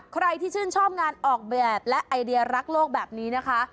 ใครที่ชื่นชอบงานออกแบบและไอเดียรักโลกแบบนี้นะคะ